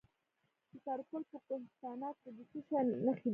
د سرپل په کوهستانات کې د څه شي نښې دي؟